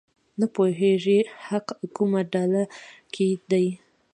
نه پوهېږي حق کومه ډله کې دی.